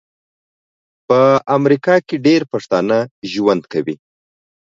په امریکا کې ډیر پښتانه ژوند کوي